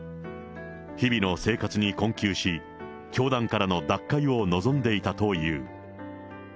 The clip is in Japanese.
日々の生活に困窮し、教団からの脱会を望んでいたという。